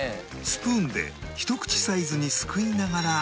スプーンでひと口サイズにすくいながら